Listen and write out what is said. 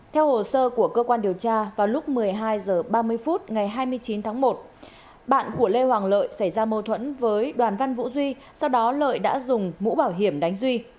theo hồ sơ của cơ quan điều tra vào lúc một mươi hai h ba mươi phút ngày hai mươi chín tháng một bạn của lê hoàng lợi xảy ra mâu thuẫn với đoàn văn vũ duy sau đó lợi đã dùng mũ bảo hiểm đánh duy